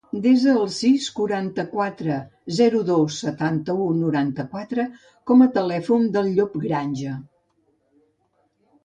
Desa el sis, quaranta-quatre, zero, dos, setanta-u, noranta-quatre com a telèfon del Llop Granja.